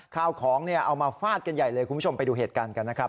ข้าวของเอามาฟาดกันใหญ่เลยคุณผู้ชมไปดูเหตุการณ์กันนะครับ